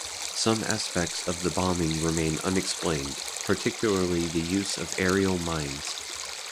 Some aspects of the bombing remain unexplained, particularly the use of the aerial mines.